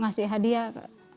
masih hadiah ke sana sama keluarga